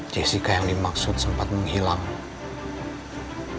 jessica yang dimaksud sempat menghilang